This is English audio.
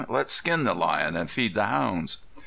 "Let's skin the lion an' feed the hounds."